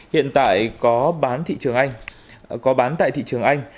hiện tại có bán tại thị trường anh